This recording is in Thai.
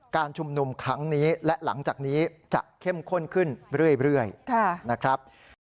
การชุมนุมครั้งนี้และหลังจากนี้จะเข้มข้นขึ้นเรื่อยนะครับ